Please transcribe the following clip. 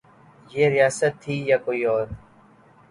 یہ ریاست تھی یا کوئی اور؟